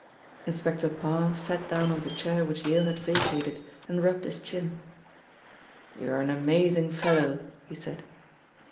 Inspector Parr sat down on the chair which Yale had vacated, and rubbed his chin. "You're an amazing fellow," he said.